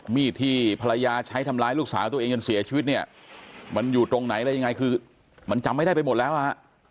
มีดที่ภรรยาใช้ทำร้ายลูกสาวตัวเองจนเสียชีวิตเนี่ยมันอยู่ตรงไหนอะไรยังไงคือมันจำไม่ได้ไปหมดแล้วอ่ะฮะ